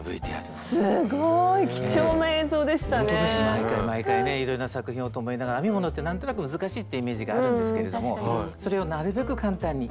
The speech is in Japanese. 毎回毎回ねいろんな作品をと思いながら編み物って何となく難しいってイメージがあるんですけれどもそれをなるべく簡単に。